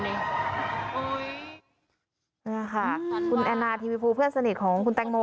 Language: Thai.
นี่ค่ะคุณแอนนาทีวิฟูเพื่อนสนิทของคุณแตงโม